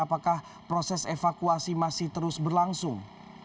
apakah proses evakuasi masih terus berlangsung